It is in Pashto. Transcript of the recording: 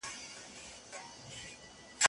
څوك به اوري كرامت د دروېشانو